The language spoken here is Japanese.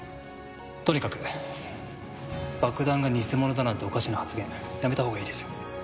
とにかく爆弾が偽物だなんておかしな発言やめたほうがいいですよ。